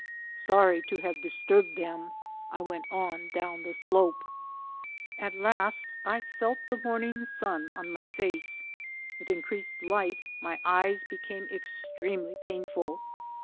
Sorry to have disturbed them I went on down the slope. At last I felt the morning sun in my face, With increased light my eyes became extremely painful.